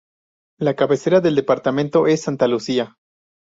La cabecera del departamento es Santa Lucía.